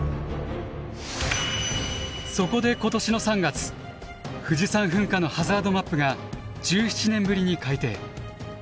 そこで今年の３月富士山噴火のハザードマップが１７年ぶりに改定。